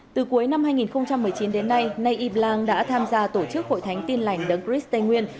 từ cuối năm hai nghìn một mươi chín đến nay y blang đã tham gia tổ chức hội thánh tin lành đấng chris tây nguyên